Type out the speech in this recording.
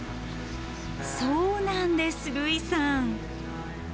そうなんです類さん。